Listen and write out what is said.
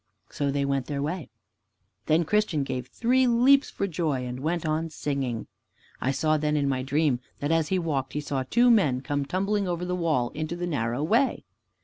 So they went their way. Then Christian gave three leaps for joy and went on singing. I saw then in my dream that as he walked he saw two men come tumbling over the wall into the narrow way.